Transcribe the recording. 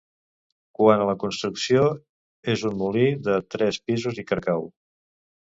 Quant a la construcció és un molí de tres pisos i carcau.